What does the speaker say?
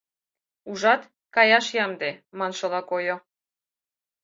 «Ужат, каяш ямде» маншыла койо.